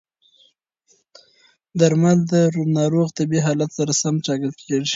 درمل د ناروغ طبي حالت سره سم ټاکل کېږي.